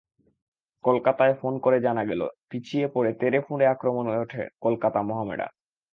কলকাতায় ফোন করে জানা গেল, পিছিয়ে পড়ে তেড়েফুঁড়ে আক্রমণে ওঠে কলকাতা মোহামেডান।